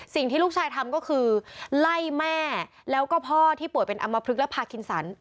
สิ่งที่ลูกชายทำก็คือไล่แม่แล้วก็พ่อที่ป่วยเป็นอำมพลึกและพาคินสัน